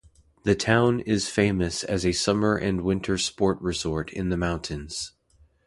The town is famous as a summer and winter sport resort in the mountains.